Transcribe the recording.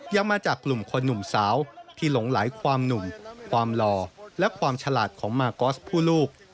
ยังมาจากกลุ่มคนหนุ่มสาวที่หลงไหลความหนุ่มความหล่อและความฉลาดของมากอสผู้ลูก